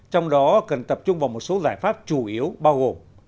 trong đó cần tập trung vào một số giải pháp chủ yếu bao gồm